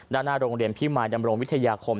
ด้านหน้าโรงเรียนพิมายดำรงวิทยาคม